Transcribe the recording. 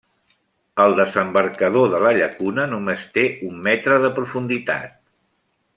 El desembarcador de la llacuna només té un metre de profunditat.